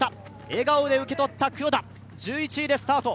笑顔で受け取った黒田、１１位でスタート。